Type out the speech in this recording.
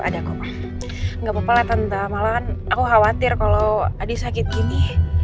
gak apa apa lah tante malahan aku khawatir kalau adi sakit gini